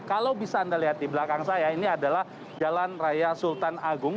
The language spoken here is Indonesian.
kalau bisa anda lihat di belakang saya ini adalah jalan raya sultan agung